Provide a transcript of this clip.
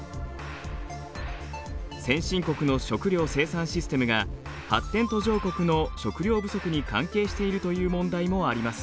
先進国の食料生産システムが発展途上国の食料不足に関係しているという問題もあります。